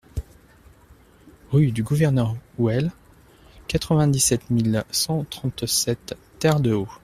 Rue du Gouverneur Houël, quatre-vingt-dix-sept mille cent trente-sept Terre-de-Haut